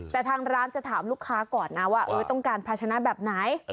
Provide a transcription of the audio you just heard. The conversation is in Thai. แต่ทางร้านจะถามลูกค้าก่อนเอาประชนะแบบไหน